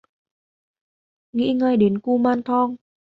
Nghĩ ngay đến kumanthong